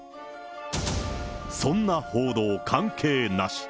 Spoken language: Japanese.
そんな報道関係なし。